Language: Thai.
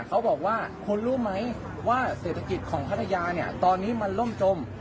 เขาบอกว่าคุณรู้ไหมว่าเศรษฐกิจของพัทยาเนี่ยตอนนี้มันล่มจม